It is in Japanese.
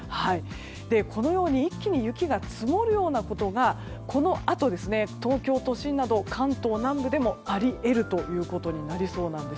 このように一気に雪が積もるようなことがこのあと、東京都心など関東南部でもあり得るということになりそうです。